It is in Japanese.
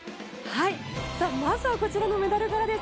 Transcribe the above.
まずはこちらのメダルからです。